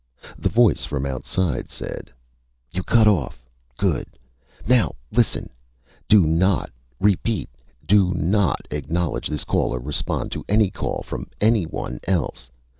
The voice from outside said: "_You cut off. Good! Now listen! Do not repeat, do not! acknowledge this call or respond to any call from anyone else!